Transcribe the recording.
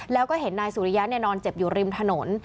แล้วก็เห็นนายสุริยะนอนเจ็บอยู่ริมถนน